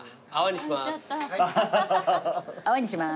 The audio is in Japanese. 泡にします。